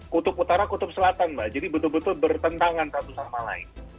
kutub utara kutub selatan mbak jadi betul betul bertentangan satu sama lain